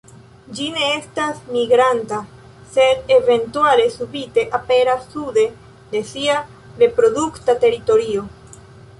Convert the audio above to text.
Ĝi ne estas migranta, sed eventuale subite aperas sude de sia reprodukta teritorio.